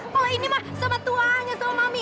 kalau ini mah sama tuanya sama mi